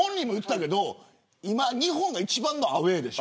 今、日本が一番アウェーでしょ。